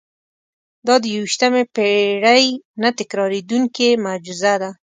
دا د یوویشتمې پېړۍ نه تکرارېدونکې معجزه ده.